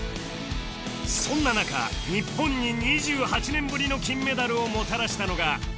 そんな中日本に２８年ぶりの金メダルをもたらしたのが